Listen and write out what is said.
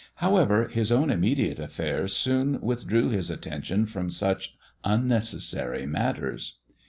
However, his own immediate affairs soon withdrew his attention from such unnecessary matters.